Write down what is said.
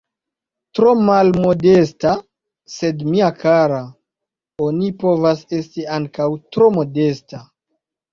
Tro malmodesta? Sed mia kara, oni povas esti ankaŭ tro modesta.